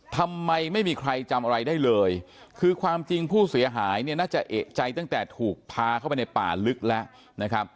ทำไมไม่มีใครจำอะไรได้เลยคือความจริงผู้เสียหายเนี่ยน่าจะเอกใจตั้งแต่ถูกพาเข้าไปในป่าลึกแล้วนะครับ